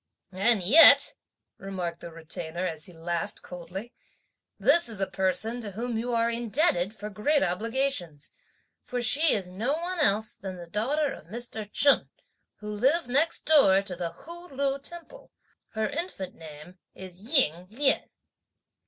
"And yet," remarked the Retainer, as he laughed coldly, "this is a person to whom you are indebted for great obligations; for she is no one else than the daughter of Mr. Chen, who lived next door to the Hu Lu temple. Her infant name is 'Ying Lien.'"